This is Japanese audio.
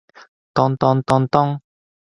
とんとんとんとん